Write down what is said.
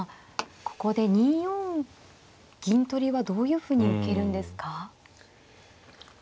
ここで２四銀取りはどういうふうに受けるんですか。